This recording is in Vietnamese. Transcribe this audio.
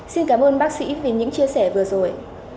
xin cảm ơn bác sĩ vì những chia sẻ vừa rồi